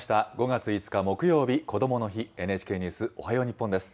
５月５日木曜日こどもの日、ＮＨＫニュースおはよう日本です。